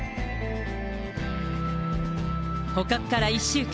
捕獲から１週間。